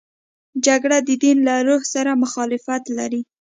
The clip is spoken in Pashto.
جګړه د دین له روح سره مخالفت لري